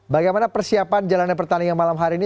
bagaimana persiapan jalannya pertandingan malam hari ini